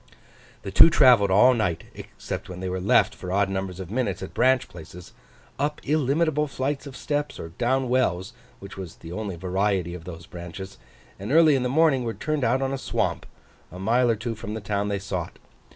The two travelled all night, except when they were left, for odd numbers of minutes, at branch places, up illimitable flights of steps, or down wells—which was the only variety of those branches—and, early in the morning, were turned out on a swamp, a mile or two from the town they sought.